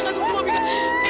kayak tuduh buka puasa